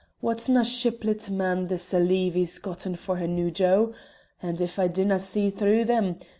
Whatna shilpit man's this that Leevie's gotten for her new jo? As if I dinna see through them!